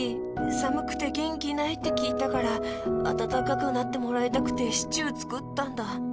さむくてげんきないってきいたからあたたかくなってもらいたくてシチューつくったんだ。